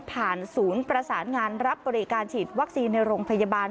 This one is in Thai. ศูนย์ประสานงานรับบริการฉีดวัคซีนในโรงพยาบาล